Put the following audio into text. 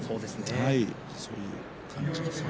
そういう感じです。